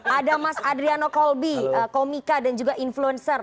ada mas adriano kolbi komika dan juga influencer